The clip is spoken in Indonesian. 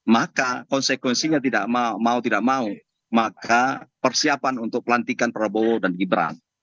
maka konsekuensinya tidak mau tidak mau maka persiapan untuk pelantikan prabowo dan gibran